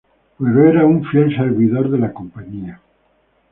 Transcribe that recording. Pero era un fiel servidor de la Compañía.